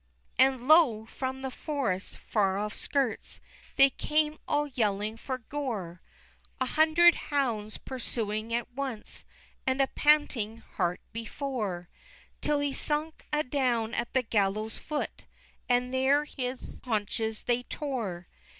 XIV. And, lo! from the forest's far off skirts, They came all yelling for gore, A hundred hounds pursuing at once, And a panting hart before, Till he sunk adown at the gallows' foot, And there his haunches they tore!